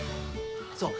そう。